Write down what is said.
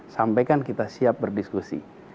sampaikan kita siap berdiskusi